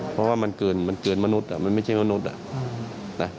เพราะว่ามันเกินมันเกินมนุษย์มันไม่ใช่มนุษย์